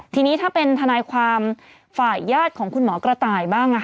ทีนี้ถ้าเป็นทนายความฝ่ายญาติของคุณหมอกระต่ายบ้าง